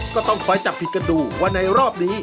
ก็ต้องคอยจับผิดกันดูว่าในรอบนี้